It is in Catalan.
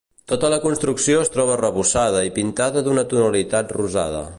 Tota la construcció es troba arrebossada i pintada d'una tonalitat rosada.